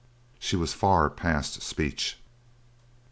She was far past speech.